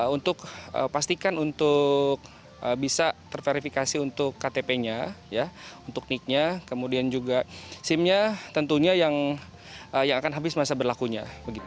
untuk pastikan untuk bisa terverifikasi untuk ktp nya untuk nicknya kemudian juga sim nya tentunya yang akan habis masa berlakunya